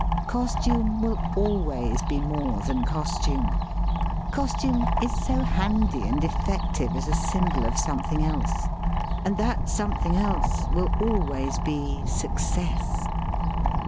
Costume will always be more than costume; cos tume is so handy and effective as a symbol of something else; and that something else will al ways be — success.